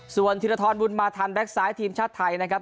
ส่วนธิรธรรมุนมาธรรมแบ็คสายทีมชาติไทยนะครับ